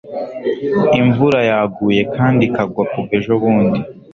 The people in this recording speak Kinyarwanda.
imvura yaguye kandi ikagwa kuva ejobundi